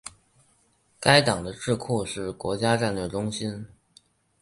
该党的智库是国家战略中心。